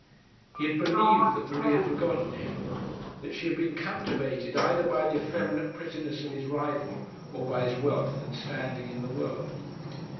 He had believed that Marie had forgotten him, that she had been captivated either by the effeminate prettiness of his rival, or by his wealth and standing in the world.